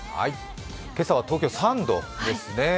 今朝は東京３度ですね。